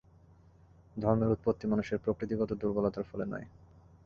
ধর্মের উৎপত্তি মানুষের প্রকৃতিগত দুর্বলতার ফলে নয়।